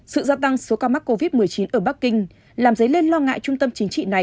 sự gia tăng số ca mắc covid một mươi chín ở bắc kinh làm dấy lên lo ngại trung tâm chính trị này